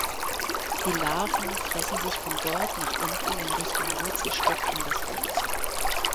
Die Larven fressen sich von dort nach unten in Richtung Wurzelstock in das Holz.